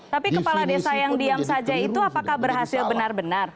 tapi kepala desa yang diam saja itu apakah berhasil benar benar